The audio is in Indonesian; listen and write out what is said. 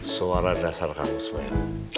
suara dasar kamu semuanya